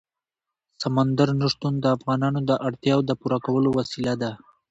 سمندر نه شتون د افغانانو د اړتیاوو د پوره کولو وسیله ده.